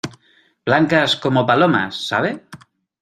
blancas como palomas. ¿ sabe?